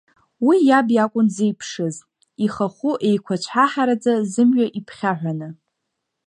Уи иаб иакәын дзеиԥшыз, ихахәы еиқәаҵәҳаҳараӡа, зымҩа иԥхьаҳәаны.